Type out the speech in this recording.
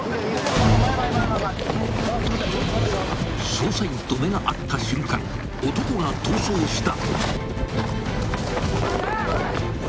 ［捜査員と目が合った瞬間男が逃走した！］